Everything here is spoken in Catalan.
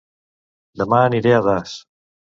Dema aniré a Das